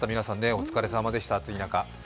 お疲れさまでした、暑い中。